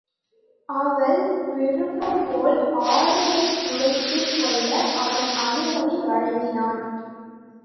அவள் விருப்பம்போல் ஆடைகள் குறைத்துக் கொள்ள அவன் அனுமதி வழங்கினான்.